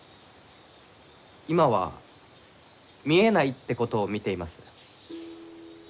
今は見えないってことを見ています。